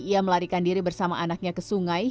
ia melarikan diri bersama anaknya ke sungai